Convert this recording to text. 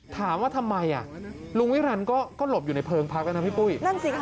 ถามว่าทำไมลุงวิรันก็หลบอยู่ในเพิงพักนะพี่ปุ้ย